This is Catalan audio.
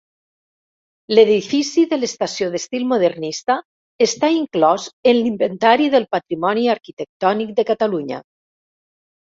L'edifici de l'estació, d'estil modernista, està inclòs en l'Inventari del Patrimoni Arquitectònic de Catalunya.